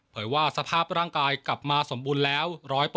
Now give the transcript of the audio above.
ว่าสภาพร่างกายกลับมาสมบูรณ์แล้ว๑๐๐